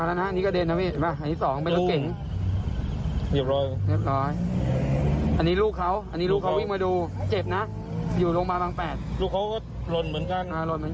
รถลนเหมือนกัน